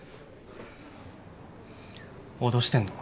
脅してるの？